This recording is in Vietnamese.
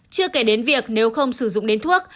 chưa kể đến việc nếu không sử dụng đến thuốc